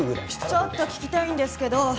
ちょっと聞きたいんですけど。